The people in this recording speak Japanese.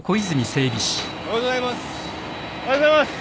おはようございます。